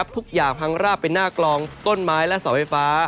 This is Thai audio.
ทุกอย่างพังราบเป็นหน้ากลองต้นไม้และสาวไฟฟ้า